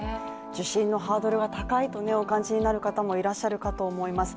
受診のハードルが高いとお感じになる方もいらっしゃると思います。